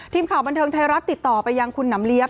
ทีมข่าวบันเทิงไทยรัฐติดต่อไปยังคุณหนำเลี้ย